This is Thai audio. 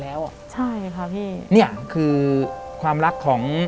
แต่ขอให้เรียนจบปริญญาตรีก่อน